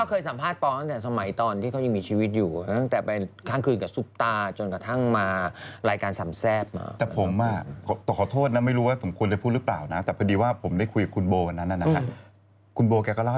เอาที่ที่ไม่มีที่ดินทางมาปลูกนานในบ้านเขา